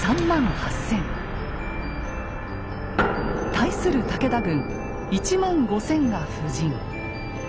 対する武田軍１万５千が布陣。